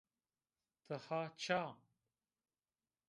Ti ha ça?